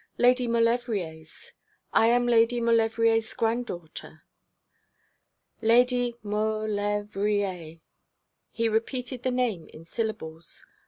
'Lady Maulevrier's. I am Lady Maulevrier's granddaughter.' 'Lady Mau lev rier.' He repeated the name in syllables.